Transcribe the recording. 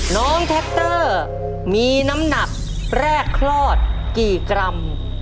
น้องแท็กเตอร์มีน้ำหนักแรกคลอดกี่กรัม